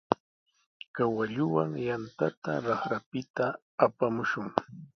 Kawalluwan yantata raqrapita apamushun.